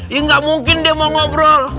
ya nggak mungkin dia mau ngobrol